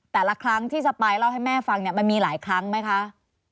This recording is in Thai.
แต่ละครั้งที่สปายเล่าให้แม่ฟังเนี่ยมันมีหลายครั้งไหมคะ